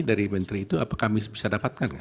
dari menteri itu apa kami bisa dapatkan nggak